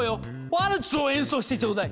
ワルツを演奏してちょうだい。